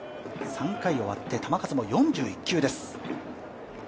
３回終わって球数も４１球です。